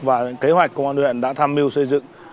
và kế hoạch công an huyện đã tham mưu xây dựng